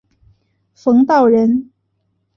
冯道人。